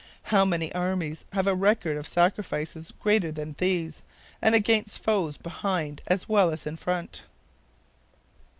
How many armies have a record of sacrifices greater than these, and against foes behind as well as in front?